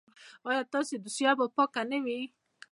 ایا ستاسو دوسیه به پاکه نه وي؟